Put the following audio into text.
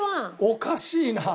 おかしいな。